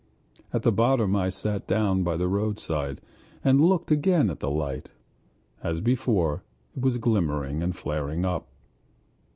At the bottom I sat down by the roadside and looked again at the light. As before it was glimmering and flaring up.